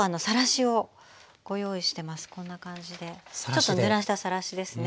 ちょっとぬらしたさらしですね。